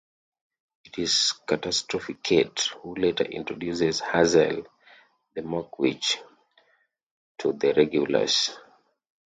It is Catastrophe Kate who later introduces Hazel the McWitch to the regulars.